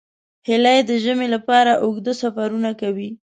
هیلۍ د ژمي لپاره اوږده سفرونه کوي